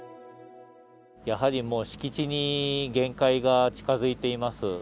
やはりもう敷地に限界が近づいています。